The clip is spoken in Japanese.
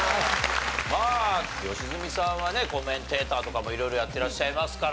まあ良純さんはねコメンテーターとかも色々やってらっしゃいますから。